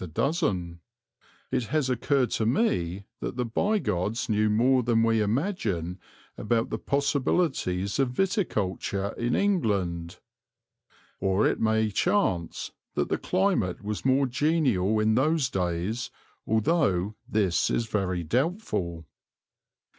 the dozen, it has occurred to me that the Bigods knew more than we imagine about the possibilities of viticulture in England. Or it may chance that the climate was more genial in those days, although this is very doubtful."